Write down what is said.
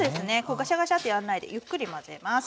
ガシャガシャッてやんないでゆっくり混ぜます。